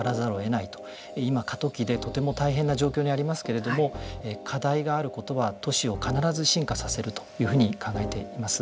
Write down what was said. いま過渡期でとても大変な状況にありますけれども課題があることは都市を必ず進化させるというふうに考えています。